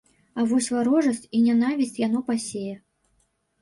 А вось варожасць і нянавісць яно пасее.